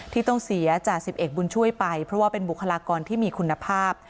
ที่ต้องเสียจ่าสิบเอกบุญช่วยไปเพราะว่าเป็นบุคลากรที่มีคุณภาพ